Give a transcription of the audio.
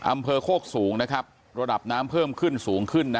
อำเภอโคกสูงนะครับระดับน้ำเพิ่มขึ้นสูงขึ้นนะ